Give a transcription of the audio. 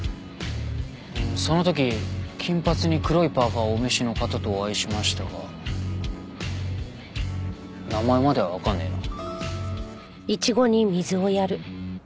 その時金髪に黒いパーカをお召しの方とお会いしましたが名前まではわかんねえな。